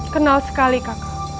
kenal sekali kakak